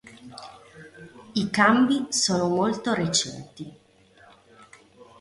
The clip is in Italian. I cambi sono molto recenti.